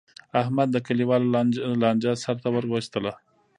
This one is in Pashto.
احمد د کلیوالو لانجه سرته ور وستله.